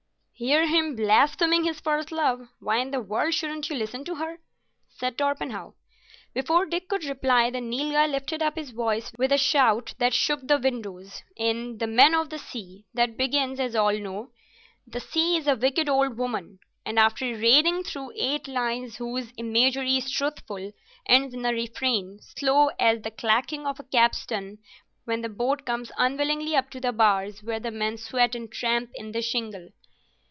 "Hear him blaspheming his first love! Why in the world shouldn't you listen to her?" said Torpenhow. Before Dick could reply the Nilghai lifted up his voice with a shout that shook the windows, in "The Men of the Sea," that begins, as all know, "The sea is a wicked old woman," and after rading through eight lines whose imagery is truthful, ends in a refrain, slow as the clacking of a capstan when the boat comes unwillingly up to the bars where the men sweat and tramp in the shingle.